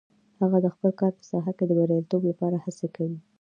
هغه د خپل کار په ساحه کې د بریالیتوب لپاره هڅې کوي